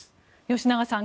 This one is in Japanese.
吉永さん